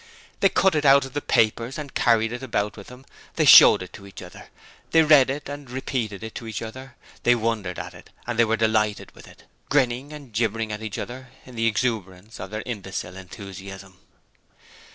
They cut it out of the papers and carried it about with them: they showed it to each other: they read it and repeated it to each other: they wondered at it and were delighted with it, grinning and gibbering at each other in the exuberance of their imbecile enthusiasm.